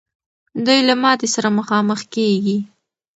دوی له ماتي سره مخامخ کېږي.